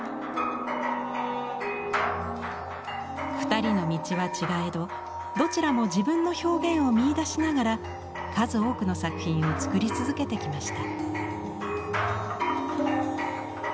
２人の道は違えどどちらも自分の表現を見いだしながら数多くの作品を作り続けてきました。